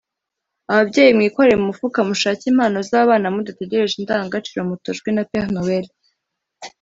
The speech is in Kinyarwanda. Ababyeyi mwikore mu mufuka mushake impano z’abana mudategereje indangagaciro mutojwe na Père Noel